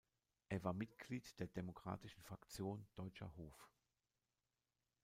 Er war Mitglied der demokratischen Fraktion Deutscher Hof.